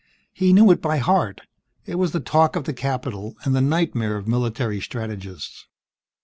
He knew it by heart. It was the talk of the Capitol, and the nightmare of military strategists.